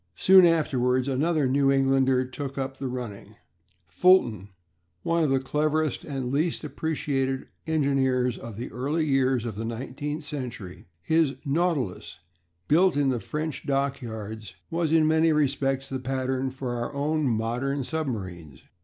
Soon afterwards another New Englander took up the running, Fulton one of the cleverest and least appreciated engineers of the early years of the nineteenth century. His Nautilus, built in the French dockyards, was in many respects the pattern for our own modern submarines.